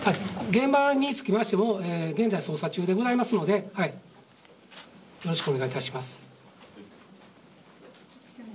現場につきましても現在捜索中でございますのでよろしくお願いいたします。